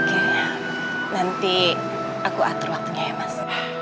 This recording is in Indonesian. oke nanti aku atur waktunya ya mas